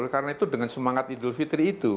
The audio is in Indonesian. karena itu dengan semangat idul fitri itu